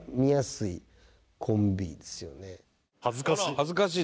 恥ずかしい！